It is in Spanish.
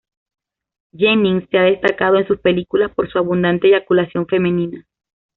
Jennings se ha destacado en sus películas por su abundante eyaculación femenina.